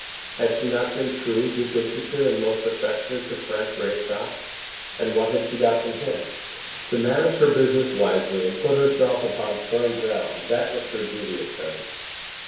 Had she not been true, disinterested, and most affectionate to Frank Greystock; and what had she got from him? To manage her business wisely, and put herself upon firm ground; that was her duty at present.